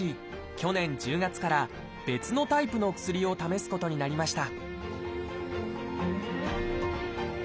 去年１０月から別のタイプの薬を試すことになりました